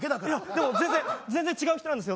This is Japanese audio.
でも、全然違う人なんですよ。